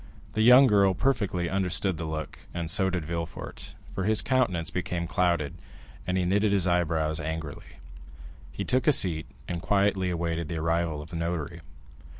The young girl perfectly understood the look, and so did Villefort, for his countenance became clouded, and he knitted his eyebrows angrily. He took a seat, and quietly awaited the arrival of the notary.